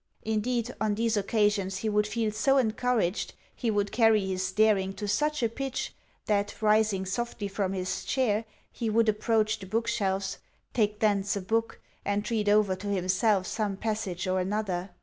Indeed, on these occasions he would feel so encouraged, he would carry his daring to such a pitch, that, rising softly from his chair, he would approach the bookshelves, take thence a book, and read over to himself some passage or another.